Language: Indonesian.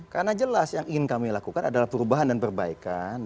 karena jelas yang ingin kami lakukan adalah perubahan dan perbaikan